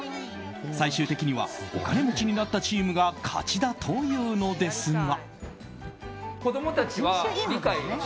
最終的にはお金持ちになったチームが勝ちだというのですが。